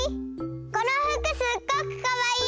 このふくすっごくかわいい！